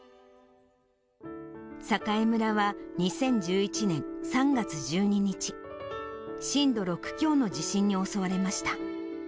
栄村は２０１１年３月１２日、震度６強の地震に襲われました。